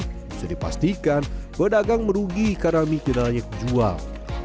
bisa dipastikan badagang merugi karena mie tidak banyak dijual